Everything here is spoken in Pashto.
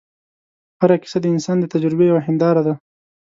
هره کیسه د انسان د تجربې یوه هنداره ده.